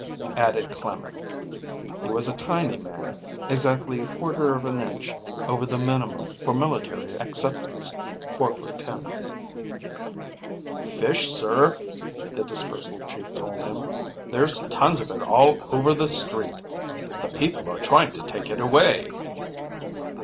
added Clemen. He was a tiny man, exactly a quarter of an inch over the minimum for military acceptance 4' 10". "Fish, sir," the Dispersal Chief told him. "There's tons of it all over the street. The people are trying to take it away."